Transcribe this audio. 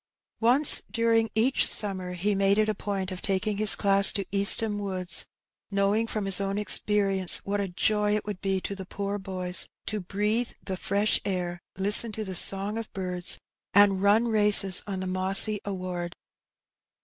Once during each summer he made it a point of taking his class to East ham Woods, knowing from his own experience what a joy it would be to the poor boys to breathe the fresh air, listen to the song of birds, and run races on the mossy sward.